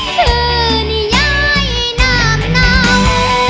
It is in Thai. คืนย้ายน้ำเนา